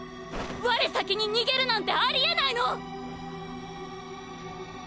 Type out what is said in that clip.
我先に逃げるなんてありえないの！！